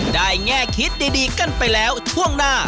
แง่คิดดีกันไปแล้วช่วงหน้า